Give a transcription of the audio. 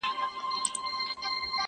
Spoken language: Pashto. چي تازه هوا مي هره ورځ لرله؛